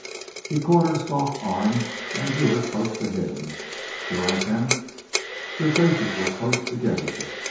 He caught her soft arm and drew her close to him. "Sure I can't?" Their faces were close together.